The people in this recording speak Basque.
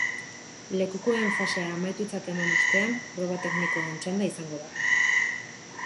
Lekukoen fasea amaitutzat eman ostean, proba teknikoen txanda izango da.